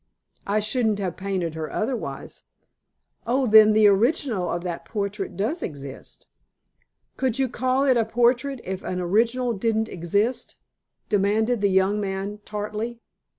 "I shouldn't have painted her otherwise." "Oh, then the original of that portrait does exist?" "Could you call it a portrait if an original didn't exist?" demanded the young man tartly.